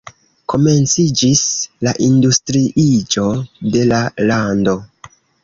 Komenciĝis la industriiĝo de la lando.